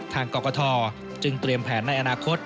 ทางกอกกะทอจึงเตรียมแผนในอนาคต